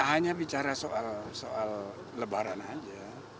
hanya bicara soal lebaran aja